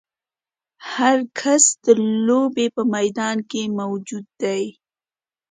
هر کس د لوبې په میدان کې موجود دی.